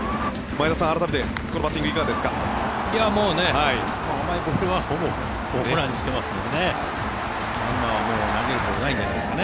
前田さん、改めてこのバッティングいかがですか。